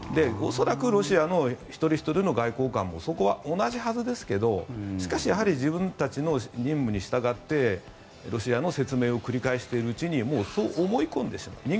恐らくロシアの一人ひとりの外交官もそこは同じはずですけどしかし、自分たちの任務に従ってロシアの説明を繰り返しているうちにそう思い込んでしまう。